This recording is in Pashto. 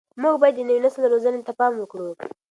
موږ باید د نوي نسل روزنې ته پام وکړو.